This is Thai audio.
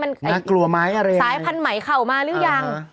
นักกลัวไหมอะไรไงสายพันธุ์ไหมเข้ามาหรือยัง